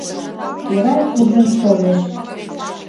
Эрай куржын толеш.